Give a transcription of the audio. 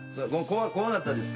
怖かったですか？